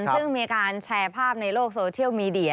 ซึ่งมีการแชร์ภาพในโลกโซเชียลมีเดีย